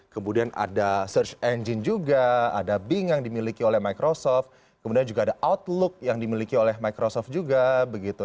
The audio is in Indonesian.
kemudian ada search engine juga ada bing yang dimiliki oleh microsoft kemudian juga ada outlook yang dimiliki oleh microsoft juga begitu